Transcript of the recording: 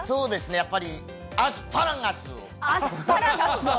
やっぱりアスパアスパラガスを？